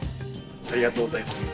ありがとうございます。